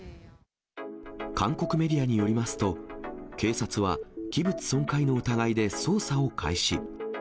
韓国メディアによりますと、警察は器物損壊の疑いで捜査を開始。